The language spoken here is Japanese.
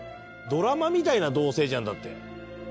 ドラマみたいな同棲じゃんだって。